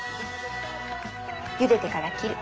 ゆでてから切る。